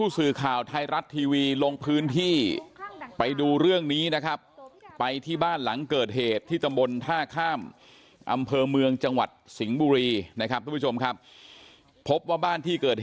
ซึ่งเป็นผู้ที่ดูแลพ่อกับแม่